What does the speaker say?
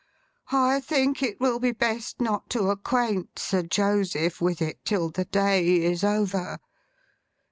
I think it will be best not to acquaint Sir Joseph with it till the day is over.